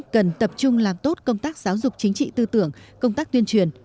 cần tập trung làm tốt công tác giáo dục chính trị tư tưởng công tác tuyên truyền